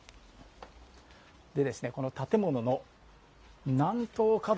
この建物の南東角